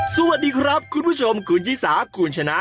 สวัสดีครับคุณผู้ชมคุณชิสาคุณชนะ